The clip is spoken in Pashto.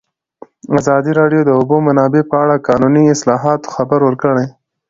ازادي راډیو د د اوبو منابع په اړه د قانوني اصلاحاتو خبر ورکړی.